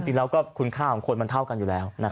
จริงแล้วก็คุณค่าของคนมันเท่ากันอยู่แล้ว